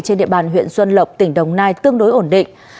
trên địa bàn huyện xuân lộc tỉnh đồng nai tương đối ổn định